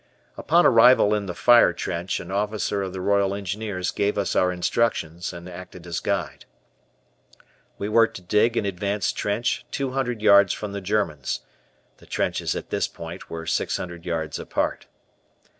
Upon arrival in the fire trench an officer of the Royal Engineers gave us our instructions and acted as guide. We were to dig an advanced trench two hundred yards from the Germans (the trenches at this point were six hundred yards apart).